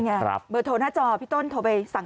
นี่ไงเบอร์โทรหน้าจอพี่ต้นโทรไปสั่งทาง